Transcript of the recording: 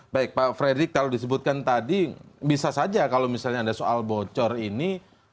baik pak fredrik kalau disebutkan tadi bisa saja kalau misalnya ada soal bocor ini